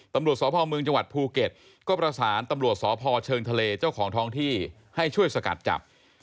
ตำรวจสพเมืองจังหวัดภูเก็ตก็ประสานตำรวจสพเชิงทะเลเจ้าของท้องที่ให้ช่วยสกัดจับ